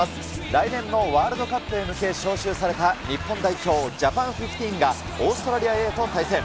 来年のワールドカップへ向け、招集された日本代表、ジャパンフィフティーンがオーストラリアＡと対戦。